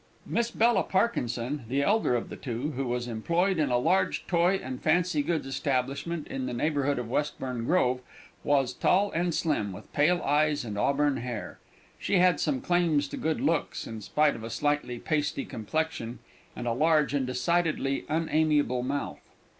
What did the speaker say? Miss Bella Parkinson, the elder of the two, who was employed in a large toy and fancy goods establishment in the neighbourhood of Westbourne Grove, was tall and slim, with pale eyes and auburn hair. She had some claims to good looks, in spite of a slightly pasty complexion, and a large and decidedly unamiable mouth.